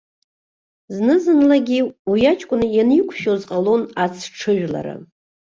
Зны-зынлагьы, уи аҷкәын ианиқәшәоз ҟалон ацҽыжәлара.